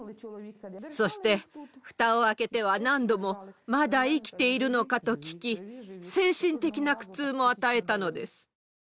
そして、ふたを開けては何度も、まだ生きているのか？と聞き、精神的な苦痛も与えたのです。